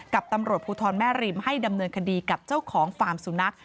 กับตำรวจภูทรแม่ริมให้ดำเนินคดีกับเจ้าของฟาร์มสุนัข